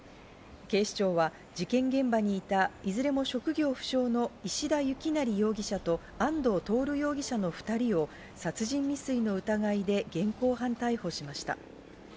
警視庁は事件現場にいた、いずれも職業不詳の石田幸成容疑者と安藤徹容疑者の２人を殺人未遂の疑いで現行犯逮捕しました。